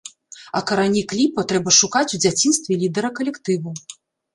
А карані кліпа трэба шукаць у дзяцінстве лідара калектыву.